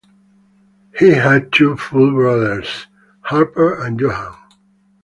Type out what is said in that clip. He had two full brothers, Harper and Johan.